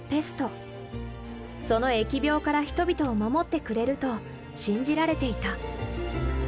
その疫病から人々を守ってくれると信じられていた。